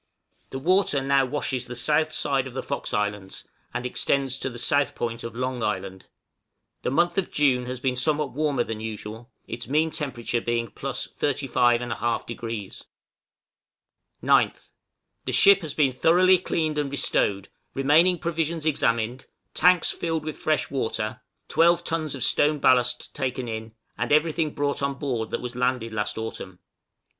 The water now washes the south side of the Fox Islands, and extends to the south point of Long Island. The month of June has been somewhat warmer than usual, its mean temperature being +35 1/2°. 9th. The ship has been thoroughly cleaned and restowed, remaining provisions examined, tanks filled with fresh water, 12 tons of stone ballast taken in, and everything brought on board that was landed last autumn.